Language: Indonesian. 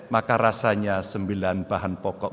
maka rasanya sembilan bahan pokok